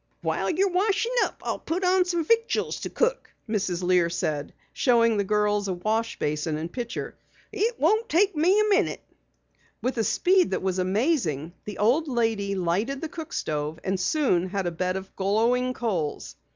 "While you're washin' up I'll put on some victuals to cook," Mrs. Lear said, showing the girls a wash basin and pitcher. "It won't take me a minute." With a speed that was amazing, the old lady lighted the cook stove and soon had a bed of glowing coals.